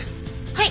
はい。